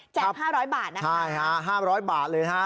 แจก๕๐๐บาทนะคะใช่ค่ะ๕๐๐บาทเลยนะ